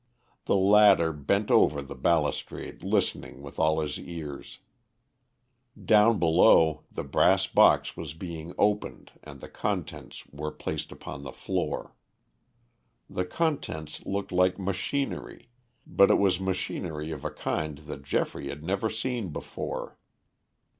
The latter bent over the balustrade listening with all his ears. Down below the brass box was being opened and the contents were placed upon the floor. The contents looked like machinery, but it was machinery of a kind that Geoffrey had never seen before.